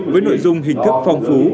với nội dung hình thức phong phú